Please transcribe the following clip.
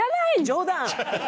冗談。